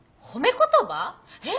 えっ？